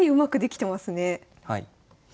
はい。